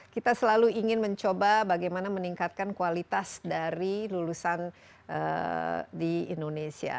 kita selalu ingin mencoba bagaimana meningkatkan kualitas dari lulusan di indonesia